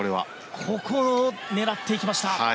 ここを狙っていきました。